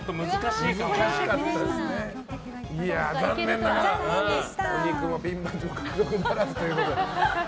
いや、残念ながらお肉もピンバッジも獲得ならずということで。